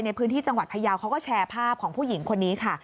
ในพื้นที่จังหวัดพยาวเขาก็แชร์ภาพของผู้หญิงคนนี้ค่ะ